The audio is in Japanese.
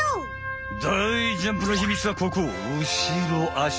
だいジャンプのひみつはここうしろあし。